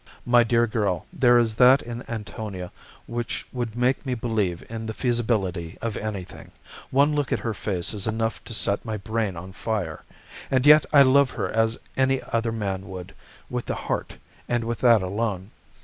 "My dear girl, there is that in Antonia which would make me believe in the feasibility of anything. One look at her face is enough to set my brain on fire. And yet I love her as any other man would with the heart, and with that alone.